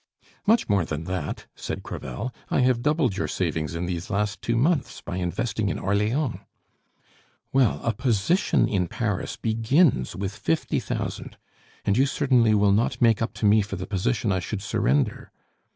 "Much more than that," said Crevel. "I have doubled your savings in these last two months by investing in Orleans." "Well, a position in Paris begins with fifty thousand. And you certainly will not make up to me for the position I should surrender.